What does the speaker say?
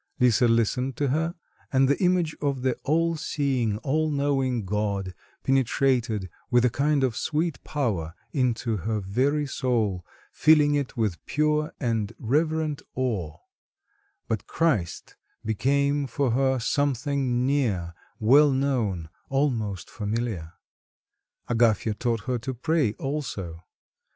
Lisa listened to her, and the image of the all seeing, all knowing God penetrated with a kind of sweet power into her very soul, filling it with pure and reverent awe; but Christ became for her something near, well known, almost familiar. Agafya taught her to pray also.